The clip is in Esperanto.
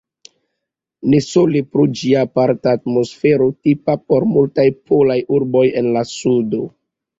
Ne sole pro ĝia aparta atmosfero, tipa por multaj polaj urboj en la sudo.